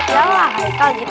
ya lah hai kal gitu